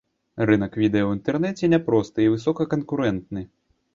Рынак відэа ў інтэрнэце няпросты і высокаканкурэнтны.